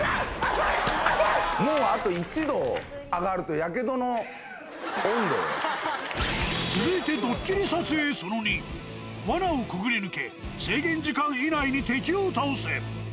もうあと１度上がると、続いてドッキリ撮影その２、わなをくぐり抜け、制限時間以内に敵を倒せ。